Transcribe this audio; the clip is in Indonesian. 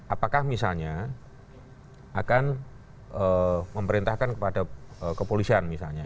apakah misalnya akan memerintahkan kepada kepolisian misalnya